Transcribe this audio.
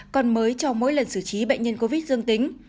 còn mới cho mỗi lần xử trí bệnh nhân covid dương tính